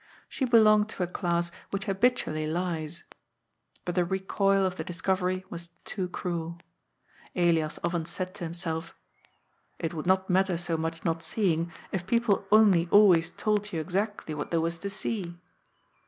She belonged to a class which habitually lies. But the re coil of the discovery was too cruel. Elias often said to him self, " It would not matter so much not seeing, if people only always told you exactly what there was to see."